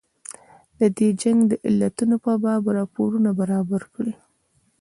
د دې جنګ د علتونو په باب راپورونه برابر کړي.